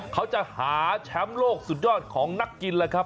เขาจะหาแชมป์โลกสุดยอดของนักกินแล้วครับ